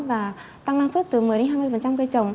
và tăng năng suất từ một mươi đến hai mươi cây bắp cải